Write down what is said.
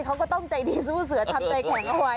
เขาก็ต้องใจดีสู้เสือทำใจแข็งเอาไว้